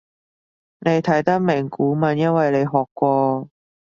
你睇得明古文因為你學過